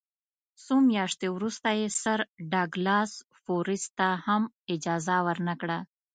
څو میاشتې وروسته یې سر ډاګلاس فورسیت ته هم اجازه ورنه کړه.